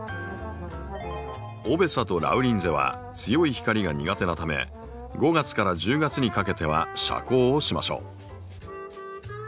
オベサとラウリンゼは強い光が苦手なため５月１０月にかけては遮光をしましょう。